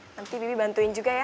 nanti bibi bantuin juga ya